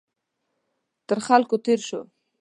تر خلکو تېر شو.